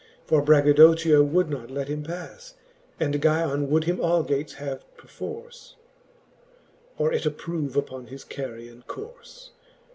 For Braggadochio would not let him pas ; And Guyon would him algates have perforfe, Or it approve upon his carrion corle.